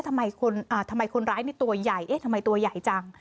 ทำไมคนร้ายนี่ตัวใหญ่เอ๊ะทำไมตัวใหญ่จัง